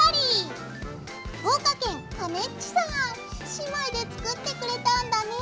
姉妹で作ってくれたんだね。